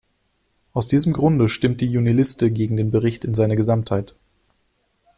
Aus diesem Grunde stimmt die Juniliste gegen den Bericht in seiner Gesamtheit.